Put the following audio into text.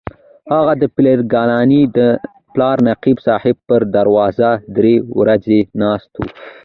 هغه د پیر ګیلاني د پلار نقیب صاحب پر دروازه درې ورځې ناست و.